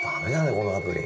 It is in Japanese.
このアプリ。